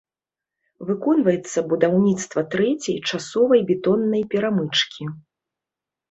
Выконваецца будаўніцтва трэцяй часовай бетоннай перамычкі.